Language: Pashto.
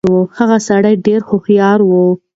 هغه سړی ډېر هوښيار و.